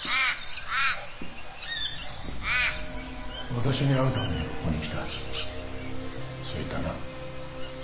私に会うためにここに来たそう言ったな？